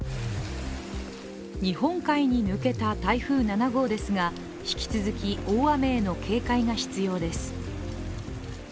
日本海に抜けた台風７号ですが引き続き大雨への警戒が必要です。